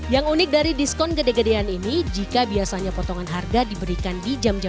yang unik dari diskon gede gedean ini jika biasanya potongan harga diberikan di jam jam